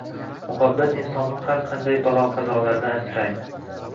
Muhabbat insonni har qanday balo-qazolardan asraydi